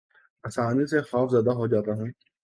آسانی سے خوف زدہ ہو جاتا ہوں